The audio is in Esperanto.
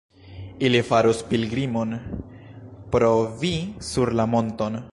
Ili faros pilgrimon pro vi sur la monton.